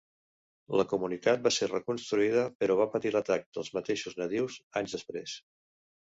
La comunitat va ser reconstruïda, però va patir l'atac dels mateixos nadius anys després.